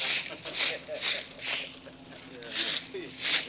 kayanya kita kembali ke barang